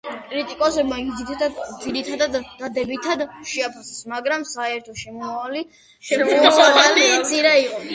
კრიტიკოსებმა იგი ძირითადად დადებითად შეაფასეს, მაგრამ საერთო შემოსავალი მცირე იყო.